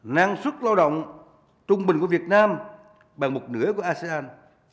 năng suất lao động trung bình của việt nam bằng một nửa của asean